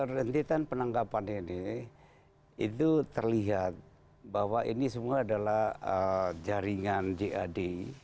rentetan penangkapan ini itu terlihat bahwa ini semua adalah jaringan jad